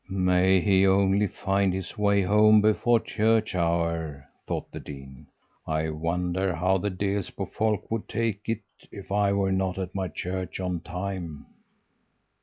"'May he only find his way home before church hour!' thought the dean. 'I wonder how the Delsbo folk would take it if I were not at my church on time?'